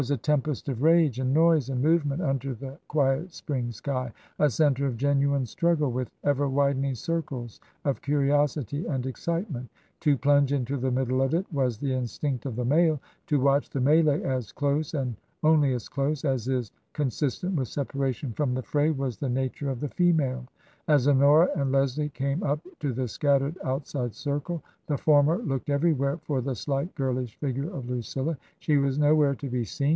a tempest of rage and noise and movement under the quiet spring sky — a centre of genuine struggle with ever widening circles of curiosity and excitement To plunge into the middle of it was the instinct of the male, to watch the melee as close (and only as close) as is con sistent with separation from the fray was the nature of the female. As Honora and Leslie came up to the scattered outside circle, the former looked everywhere for the slight girlish figure of Lucilla. She was nowhere to be seen.